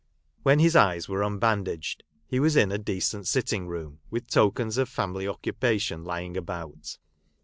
When his eyes were unbandaged, he was in a decent sitting room, with tokens of family occupation lying about.